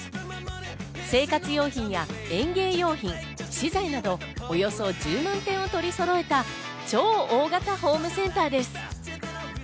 生活用品や園芸用品、資材など、およそ１０万点を取りそろえた超大型ホームセンターです。